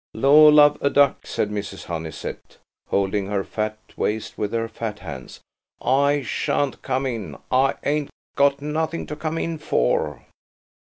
"Law, love a duck!" said Mrs. Honeysett, holding her fat waist with her fat hands. "I shan't come in; I ain't got nothing to come in for."